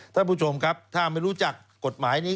ท่านผู้ชมครับถ้าไม่รู้จักกฎหมายนี้